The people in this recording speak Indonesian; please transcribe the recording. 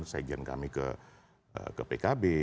sejian kami ke pkb